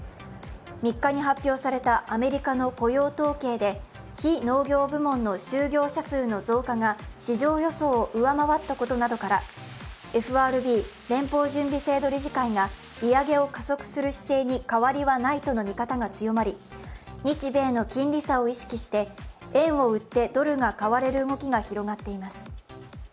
３日に発表されたアメリカの雇用統計で非農業部門の就業者数の増加が市場予想を上回ったことなどからＦＲＢ＝連邦準備制度理事会が利上げを加速する姿勢に変わりはないとの見方が強まり、日米の金利差を意識して円を売ってドルが買われる動きが広がっています。